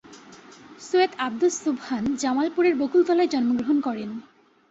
সৈয়দ আব্দুস সোবহান জামালপুরের বকুলতলায় জন্মগ্রহণ করেন।